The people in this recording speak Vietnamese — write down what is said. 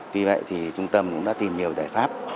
tuy vậy thì trung tâm cũng đã tìm nhiều giải pháp